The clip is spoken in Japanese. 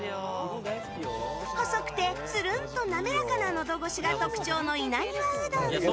細くて、つるんと滑らかなのど越しが特徴の稲庭うどん。